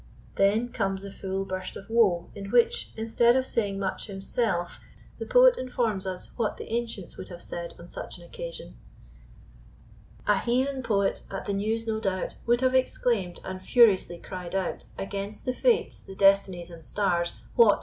Then comes the full burst of woe, in which, instead of saying much himself, the poet informs us what the ancients would have said on such an occasion: A heathen poet, at the news, no doubt, Would have exclaimed, and furiously cry'd out Against the fates, the destinies and starrs, What!